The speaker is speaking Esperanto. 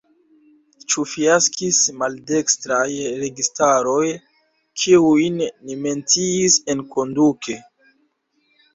Ĉu fiaskis maldekstraj registaroj, kiujn ni menciis enkonduke?